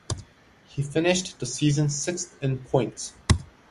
He finished the season sixth in points.